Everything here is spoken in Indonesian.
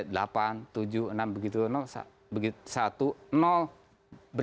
kalau kita kan sedang gelang gitu tiba tiba